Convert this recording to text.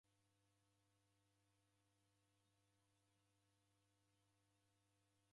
Mizango milazi ya w'adaw'ida ebwaghwa.